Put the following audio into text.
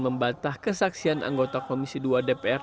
membantah kesaksian anggota komisi dua dpr